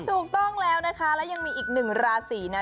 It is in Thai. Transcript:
ถูกต้องแล้วนะคะและยังมีอีกหนึ่งราศีนะ